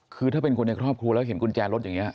คือถ้าเป็นคนในครอบครัวแล้วเห็นกุญแจรถอย่างนี้